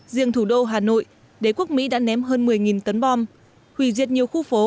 riêng thủ đô hà nội đế quốc mỹ đã ném hơn một mươi tấn bom hủy diệt nhiều khu phố